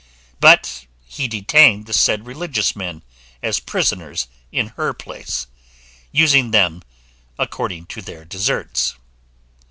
But he detained the said religious men as prisoners in her place, using them according to their deserts.